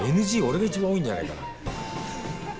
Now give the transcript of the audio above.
ＮＧ俺が一番多いんじゃないかな。